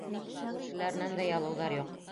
Күршеләренән дә ялыуҙар юҡ.